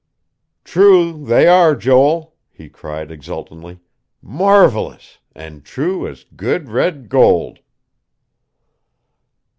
"True they are, Joel," he cried exultantly. "Marvelous and true as good, red gold."